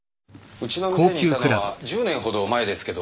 うちの店にいたのは１０年ほど前ですけど。